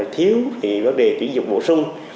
thiếu thì vấn đề chuyển dụng bổ sung